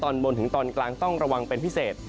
ตอนบนถึงตอนกลางต้องระวังเป็นพิเศษ